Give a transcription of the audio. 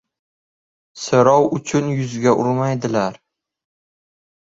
• So‘rov uchun yuzga urmaydilar.